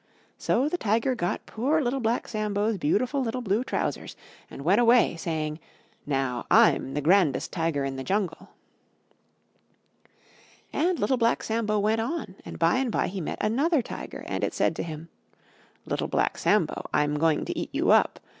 So the Tiger got poor Little Black Sambo's beautiful little Blue Trousers, and went away saying, "Now I'm the grandest Tiger in the Jungle." And Little Black Sambo went on and by and by he met another Tiger, and it said to him, "Little Black Sambo, I'm going to eat you up!"